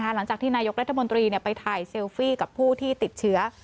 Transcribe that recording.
หลังจากที่นายกรัฐมนตรีไปถ่ายเซลฟี่กับผู้ที่ติดเชื้อ